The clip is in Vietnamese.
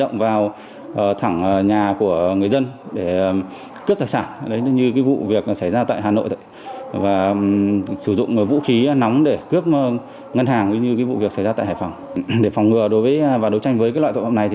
chúng tôi cũng phòng ngừa đối tranh với các loại tội phạm này